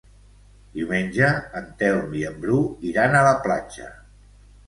Diumenge en Telm i en Bru iran a la platja.